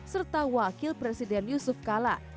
serta wakil presiden yusuf kala